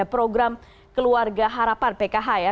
program keluarga harapan pkh ya